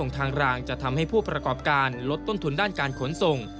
ทางรางจะทำให้ผู้ประกอบการลดต้นทุนด้านการขนส่ง